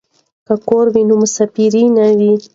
که کور وي نو مسافري نه وي.